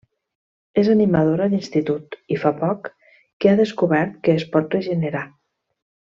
És animadora d'institut i fa poc que ha descobert que es pot regenerar.